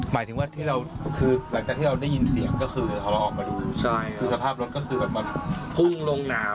หลังจากที่เราได้ยินเสียงก็คือเขาออกมาดูสภาพรถก็คือแบบมันพุ่งลงหนา